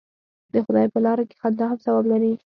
د خدای په لاره کې خندا هم ثواب لري.